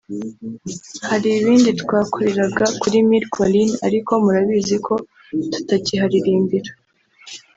hari ibindi twakoreraga kuri Mille Collines ariko murabizi ko tutakiharirimbira